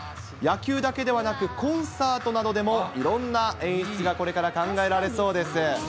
野球だけではなくコンサートなどでもいろんな演出がこれから考えられそうです。